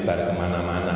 para pemerintah ini